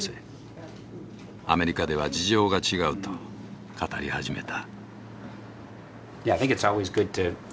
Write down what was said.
アメリカでは事情が違うと語り始めた。